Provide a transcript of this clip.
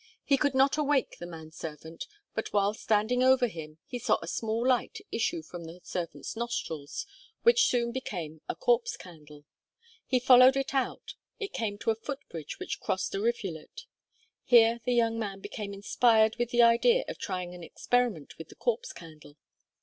He could not awake the man servant, but while standing over him, he saw a small light issue from the servant's nostrils, which soon became a Corpse Candle. He followed it out. It came to a foot bridge which crossed a rivulet. Here the young man became inspired with the idea of trying an experiment with the Corpse Candle.